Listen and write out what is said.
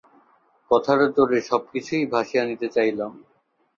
কথার তোড়ে সবকিছুই ভাসিয়ে নিতে চাইলাম।